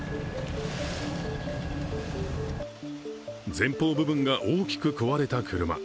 前方部分が大きく壊れた車。